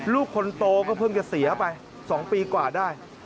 ลูกคนโตก็เพิ่งจะเสียไป๒ปีกว่าได้